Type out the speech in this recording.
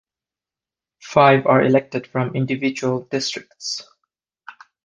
Five are elected from individual districts.